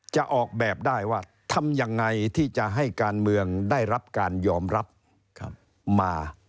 จะออกแบบได้ว่าทำยังไงที่จะให้การเมืองได้รับการยอมรับมา